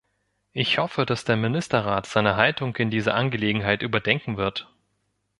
Ich hoffe, dass der Ministerrat seine Haltung in dieser Angelegenheit überdenken wird.